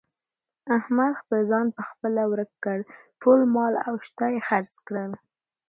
احمد خپل ځان په خپله ورک کړ. ټول مال او شته یې خرڅ کړل.